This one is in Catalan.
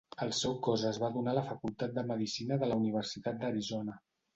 El seu cos es va donar a la facultat de medicina de la Universitat d'Arizona.